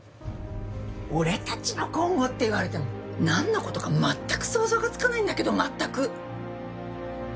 俺たちの今後って言われてもなんの事か全く想像がつかないんだけど全く！